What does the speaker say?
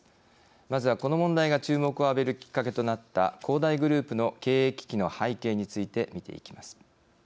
まずはこの問題が注目を浴びるきっかけとなった恒大グループの経営危機の背景について見ていきます。